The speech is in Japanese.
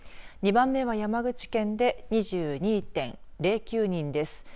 ２番目は山口県で２２．０９人です。